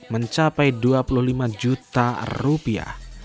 mencapai dua puluh lima juta rupiah